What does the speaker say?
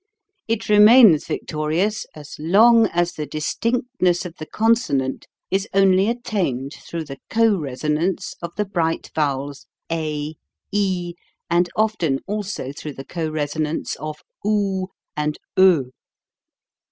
It remains victorious as long as the distinctness of the consonant is only at tained through the coresonance of the bright vowels 5, e, and often also through the coreso nance of oo and o.